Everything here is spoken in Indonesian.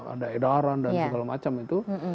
ada edaran dan segala macam itu